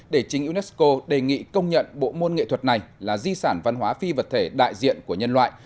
để chính unesco đề nghị công nhận bộ môn nghệ thuật này là di sản văn hóa phi vật thể đại diện của nhân loại